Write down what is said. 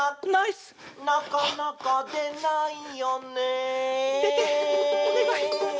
「なかなかでないよね」